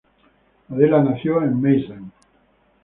Adela nació en Meissen.